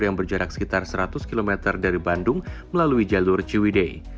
yang berjarak sekitar seratus km dari bandung melalui jalur ciwidei